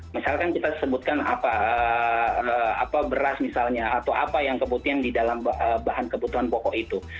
misalkan kita sebutkan apa beras misalnya atau apa yang kebutuhan di dalam bahan kebutuhan pokok itu